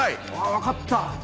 わかった！